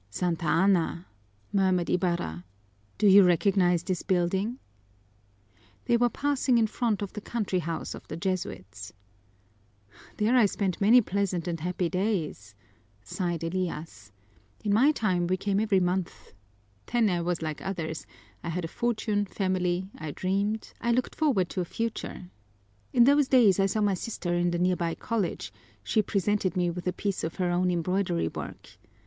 "Santa Ana!" murmured Ibarra. "Do you recognize this building?" They were passing in front of the country house of the Jesuits. "There I spent many pleasant and happy days!" sighed Elias. "In my time we came every month. Then I was like others, I had a fortune, family, I dreamed, I looked forward to a future. In those days I saw my sister in the near by college, she presented me with a piece of her own embroidery work.